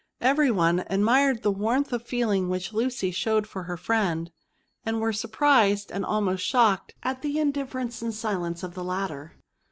Every one admired the warmth of feeling which Lucy showed for her firiend, and were sur prised, and almost shocked, at the indifference and silence of the latter.